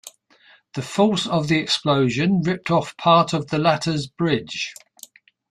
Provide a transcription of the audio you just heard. The force of the explosion ripped off part of the latter's bridge.